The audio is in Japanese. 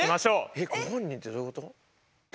えっご本人ってどういうこと？